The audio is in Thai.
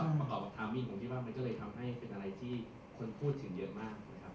ก็มาก่อบทามินของพี่ว่ามันก็เลยทำให้เป็นอะไรที่คนพูดถึงเยอะมาก